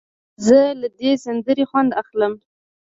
زه له دې سندرې خوند اخلم.